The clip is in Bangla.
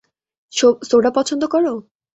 সোডা পছন্দ করো?